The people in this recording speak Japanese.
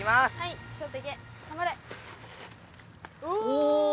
お！